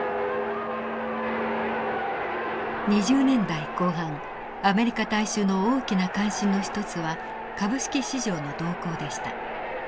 ２０年代後半アメリカ大衆の大きな関心の一つは株式市場の動向でした。